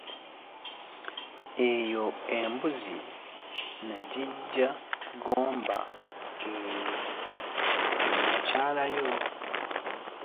Eyo embuzi nagiggya Gomba eyo lwe nakyalayo.